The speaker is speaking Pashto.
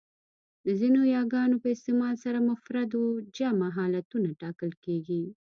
د ځینو یاګانو په استعمال سره مفرد و جمع حالتونه ټاکل کېږي.